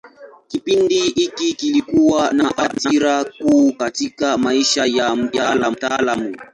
Kipindi hiki kilikuwa na athira kuu katika maisha ya mtaalamu.